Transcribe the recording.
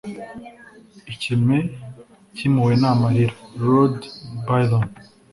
ikime cy'impuhwe ni amarira. - lord byron